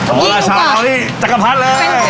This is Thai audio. อ๋อราชาจักรพัดเลย